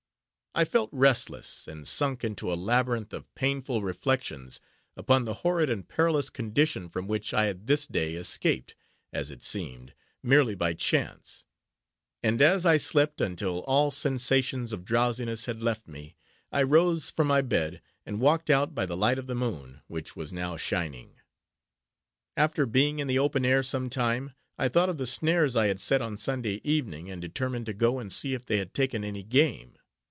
I felt restless, and sunk into a labyrinth of painful reflections, upon the horrid and perilous condition from which I had this day escaped, as it seemed, merely by chance; and as I slept until all sensations of drowsiness had left me, I rose from my bed, and walked out by the light of the moon, which was now shining. After being in the open air some time, I thought of the snares I had set on Sunday evening, and determined to go and see if they had taken any game.